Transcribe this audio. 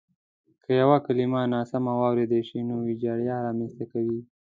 که یوه کلیمه ناسمه واورېدل شي نو وېجاړی رامنځته کوي.